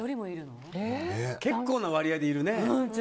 結構な割合でいるね。